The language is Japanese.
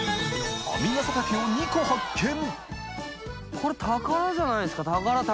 これ宝じゃないですか宝宝。